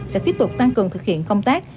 sẽ tiếp tục tăng cường thực hiện công tác